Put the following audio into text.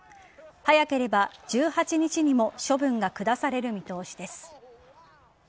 早ければ１８日にも処分が下される見通しです。